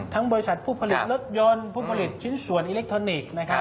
บริษัทผู้ผลิตรถยนต์ผู้ผลิตชิ้นส่วนอิเล็กทรอนิกส์